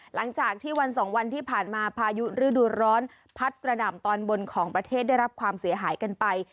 หลังจากที่วันสองวันที่ผ่านมาพายุฤดูร้อนพัดกระหน่ำตอนบนของประเทศได้รับความเสียหายกันไป